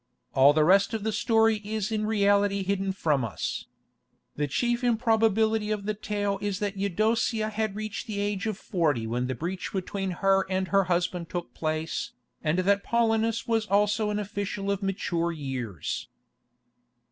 All the rest of the story is in reality hidden from us. The chief improbability of the tale is that Eudocia had reached the age of forty when the breach between her and her husband took place, and that Paulinus was also an official of mature years.